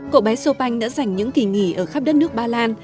cậu bé chopin đã dành những kỳ nghỉ ở khắp đất nước ba lan